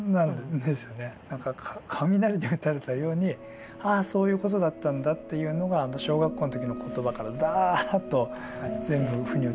何か雷に打たれたようにああそういうことだったんだっていうのがあの小学校の時の言葉からダーッと全部腑に落ちるっていう。